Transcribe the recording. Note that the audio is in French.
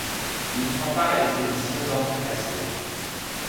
Il prend part à l'expédition d'Entrecasteaux.